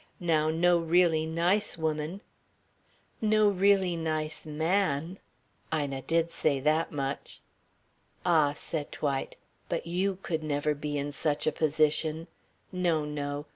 Now, no really nice woman " "No really nice man " Ina did say that much. "Ah," said Dwight, "but you could never be in such a position. No, no.